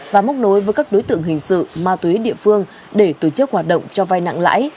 và móc nối với các đối tượng hình sự ma túy địa phương để tổ chức hoạt động cho vai nặng lãi